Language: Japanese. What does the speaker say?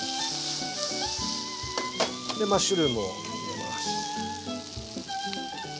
でマッシュルームを入れます。